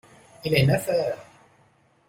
Il est neuf heures.